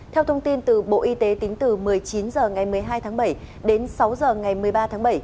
theo thông tin từ bộ y tế tính từ một mươi chín h ngày một mươi hai tháng bảy đến sáu h ngày một mươi ba tháng bảy